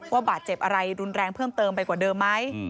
บาดเจ็บอะไรรุนแรงเพิ่มเติมไปกว่าเดิมไหม